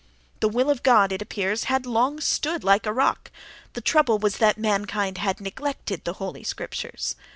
The "will of God," it appears, had long stood like a rock; the trouble was that mankind had neglected the "holy scriptures"....